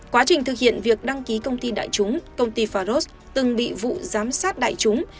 quá trình thực hiện việc đăng ký công ty đại chúng công ty faros từng bị vụ giám sát đại chúng